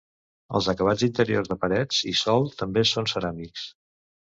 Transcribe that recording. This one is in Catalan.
Els acabats interiors de parets i sòl també són ceràmics.